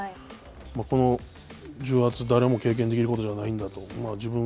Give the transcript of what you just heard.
この重圧は誰も経験できることじゃないんだと。